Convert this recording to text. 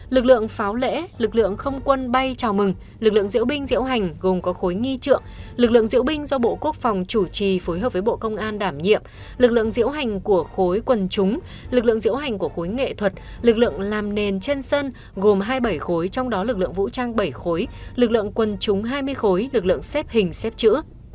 lực lượng pháo lễ lực lượng không quân bay chào mừng lực lượng diễu binh diễu hành gồm có khối nghi trượng lực lượng diễu binh do bộ quốc phòng chủ trì phối hợp với bộ công an đảm nhiệm lực lượng diễu hành của khối quân chúng lực lượng diễu hành của khối nghệ thuật lực lượng làm nền trên sân gồm hai mươi bảy khối trong đó lực lượng vũ trang bảy khối lực lượng quân chúng hai mươi khối lực lượng xếp hình xếp chữ